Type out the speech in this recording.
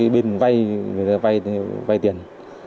bên vay tiền